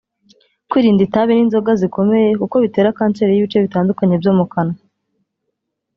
Kwirinda itabi n’inzoga zikomeye kuko bitera kanseri y’ibice bitandukanye byo mu kanwa